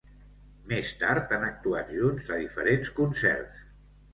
Més tard han actuat junts a diferents concerts.